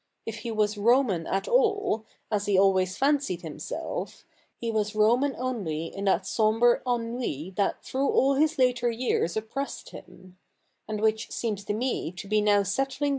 If he was Roman at all, as he always fancied himself, he was Roman only in that sombre ennui that through all his later years oppressed him : and which seems to me to be now settling down c[f.